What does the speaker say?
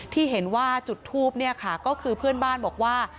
ที่เห็นว่าจุดทูปก็คือเพื่อนบ้านบอกว่า